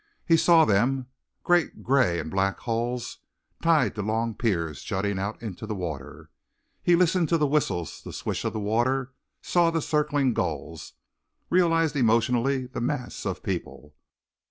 He saw them great grey and black hulls, tied to long piers jutting out into the water. He listened to the whistles, the swish of the water, saw the circling gulls, realized emotionally the mass of people.